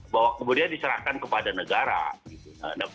bahwa kemudian diserahkan kepada negara